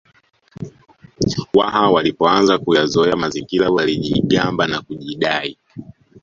Waha walipoanza kuyazoea mazingira walijigamba na kujidai